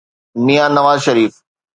ميان Nawaz شريف.